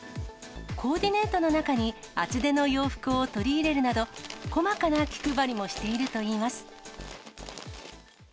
コーディネートの中に厚手の洋服を取り入れるなど、細かな気配りもしているといいます。